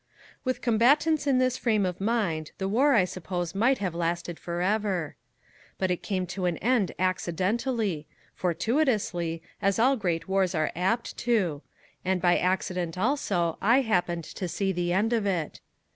With combatants in this frame of mind the war I suppose might have lasted forever. But it came to an end accidentally, fortuitously, as all great wars are apt to. And by accident also, I happened to see the end of it.